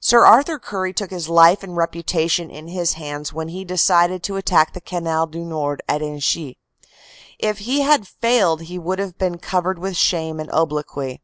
Sir Arthur Currie took his life and reputation in his hands when he decided to attack the Canal du Nord at Inchy. If he had failed he would have been covered with shame and obloquy.